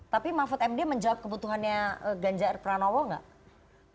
tapi mahfud md menjawab kebutuhannya ganjar pranowo nggak